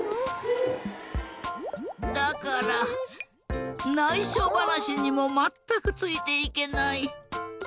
だからないしょばなしにもまったくついていけない。